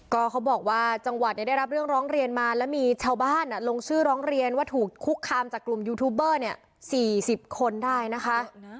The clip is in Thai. ก็เขาบอกว่าจังหวัดเนี่ยได้รับเรื่องร้องเรียนมาแล้วมีชาวบ้านลงชื่อร้องเรียนว่าถูกคุกคามจากกลุ่มยูทูบเบอร์เนี่ย๔๐คนได้นะคะ